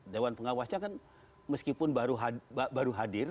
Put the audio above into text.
dewan pengawasnya kan meskipun baru hadir